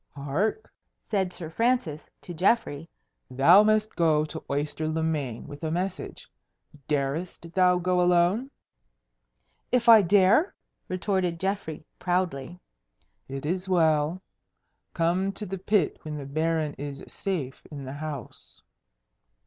"Hark!" said Sir Francis to Geoffrey. "Thou must go to Oyster le Main with a message. Darest thou go alone?" "If I dare?" retorted Geoffrey, proudly. "It is well. Come to the pit when the Baron is safe in the house."